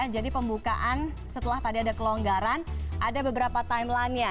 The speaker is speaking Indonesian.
jadi pembukaan setelah tadi ada kelonggaran ada beberapa timelinenya